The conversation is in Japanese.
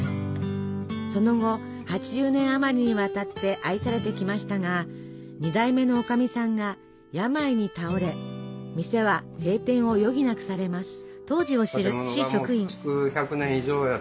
その後８０年あまりにわたって愛されてきましたが２代目のおかみさんが病に倒れ店は閉店を余儀なくされます。